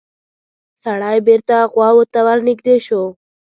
سړی بېرته غواوو ته ورنږدې شو.